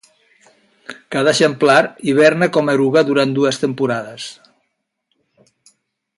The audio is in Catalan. Cada exemplar hiberna com a eruga durant dues temporades.